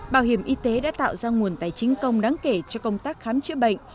bảo hiểm y tế đã tạo ra nguồn tài chính công đáng kể cho công tác khám chữa bệnh